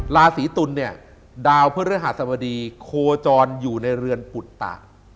ลาศีตุลดาวเพื่อเรื่องหาสมดีโคจรอยู่ในเรือนปุตตะ